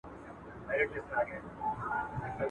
خو په مصر کي يې ارزښت او درنښت